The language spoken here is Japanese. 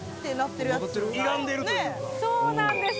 そうなんです！